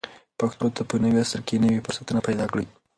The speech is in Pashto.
پښتو ته په نوي عصر کې نوي فرصتونه پیدا کړئ.